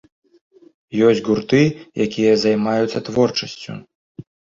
Ёсць гурты, якія займаюцца творчасцю.